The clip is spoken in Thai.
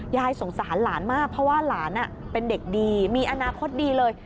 ยายสงสารหลานมากเพราะว่าหลานเป็นเด็กดีมีอนาคตดีเลย